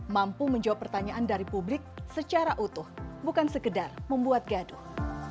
mampu menjawab pertanyaan dari publik secara utuh bukan sekedar membuat gaduh